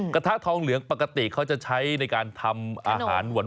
กระทะทองเหลืองปกติเขาจะใช้ในการทำอาหารหวาน